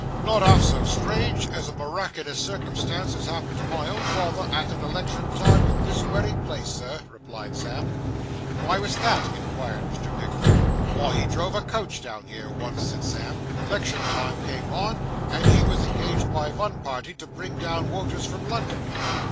'Not half so strange as a miraculous circumstance as happened to my own father, at an election time, in this wery place, Sir,' replied Sam. 'What was that?' inquired Mr. Pickwick. 'Why, he drove a coach down here once,' said Sam; ''lection time came on, and he was engaged by vun party to bring down woters from London.